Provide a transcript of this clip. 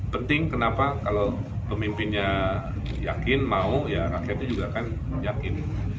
penting kenapa kalau pemimpinnya yakin mau ya rakyatnya juga kan yakin